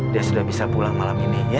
dia sudah bisa pulang malam ini